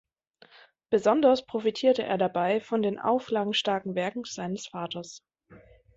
Besonders profitierte er dabei von den auflagenstarken Werken seines Vaters.